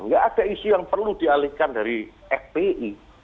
nggak ada isu yang perlu dialihkan dari fpi